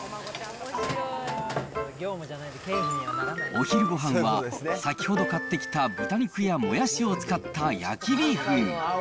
お昼ごはんは先ほど買ってきた豚肉やモヤシを使った焼きビーフン。